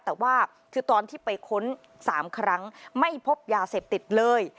แต่ว่าคือตอนที่ไปค้น๓ครั้งไม่พบยาเสพติดเลย